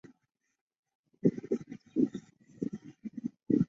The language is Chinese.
大家熟悉木质锥锥孔产生种子。